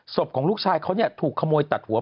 ของลูกชายเขาถูกขโมยตัดหัว